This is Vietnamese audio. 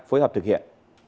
phối hợp thực hiện